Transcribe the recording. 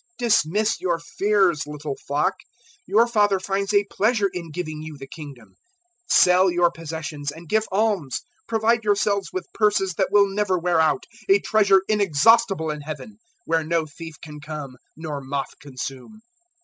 012:032 "Dismiss your fears, little flock: your Father finds a pleasure in giving you the Kingdom. 012:033 Sell your possessions and give alms. Provide yourselves with purses that will never wear out, a treasure inexhaustible in Heaven, where no thief can come nor moth consume.